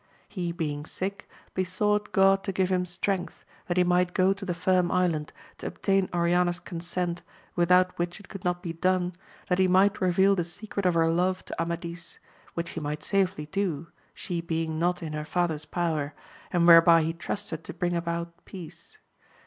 He being sick, besought Gpd to give him strength, that he might go to the Firm Is land, to* obtain Oriana's consent, without which it could not be done, that he 'might reveal the secret of her love to Amadis, which he might safely do, she being not in her father's power, and whereby he ^ trusted to bring about peace.